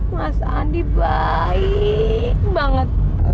mas andi baik banget